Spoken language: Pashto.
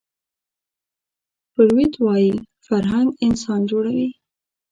فروید وايي فرهنګ انسان جوړوي